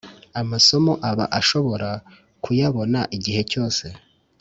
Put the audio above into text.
amasomo aba ashobora kuyabona igihe cyose